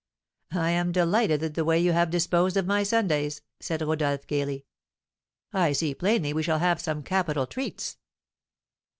"I am delighted at the way you have disposed of my Sundays," said Rodolph, gaily. "I see plainly we shall have some capital treats."